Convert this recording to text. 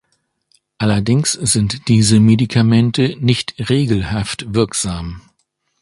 Allerdings sind diese Medikamente nicht regelhaft wirksam.